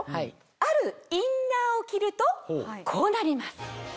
あるインナーを着るとこうなります。